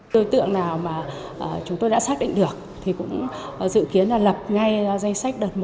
đối tượng nào mà chúng tôi đã xác định được thì cũng dự kiến là lập ngay danh sách đợt một